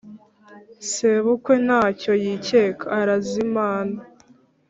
sebukwe, ntacyo yikeka: arazimana.